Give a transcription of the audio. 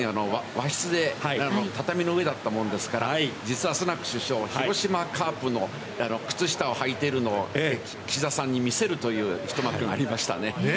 そのときに和室で畳の上だったものですから、実はスナク首相、広島カープの靴下を履いているのを岸田さんに見せるという一幕がありましたね。